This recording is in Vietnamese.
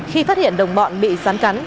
khi phát hiện đồng bọn bị rắn cắn